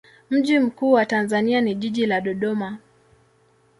Mji mkuu wa Tanzania ni jiji la Dodoma.